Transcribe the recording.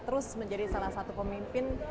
terus menjadi salah satu pemimpin